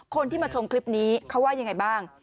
คนที่มาชมคลิปนี้เขาว่ายังไงบ้าง